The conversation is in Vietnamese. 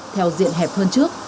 theo diện hẹp hơn trước